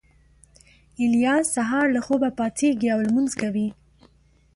الیاس سهار له خوبه پاڅېږي او لمونځ کوي